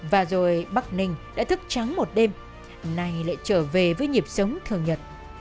và rồi bắc ninh đã thức trắng một đêm nay lại trở về với nhịp sống thường nhật